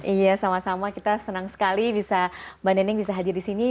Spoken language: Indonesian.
iya sama sama kita senang sekali bisa mbak neneng bisa hadir di sini